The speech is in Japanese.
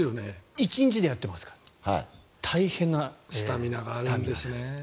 １日でやってますから大変なスタミナです。